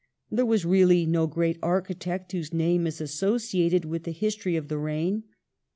There was really no great architect whose name is associated with the history of the reign.